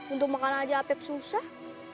untuk makanan aja apep susah